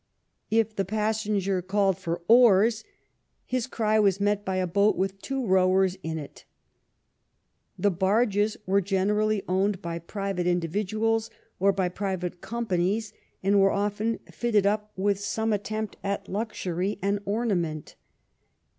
If the passenger called for " oars," his cry was met by a boat with two rowers in it. The barges were generally owned by private in dividuals or by private companies, and were often fitted up with some attempt at luxury and ornament.